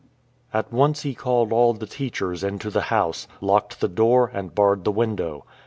At once he called all the teachers into the house, locked the door, and barred the window.